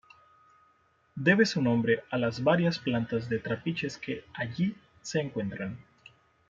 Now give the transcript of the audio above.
Debe su nombre a las varias plantas de trapiches que allí se encuentran.